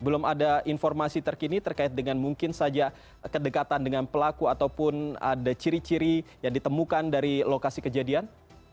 belum ada informasi terkini terkait dengan mungkin saja kedekatan dengan pelaku ataupun ada ciri ciri yang ditemukan dari lokasi kejadian